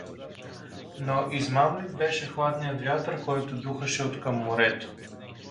Но измамлив беше хладният вятър, който духаше откъм морето.